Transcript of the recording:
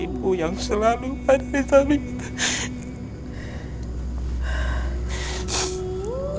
ibu yang selalu ada di dalam kita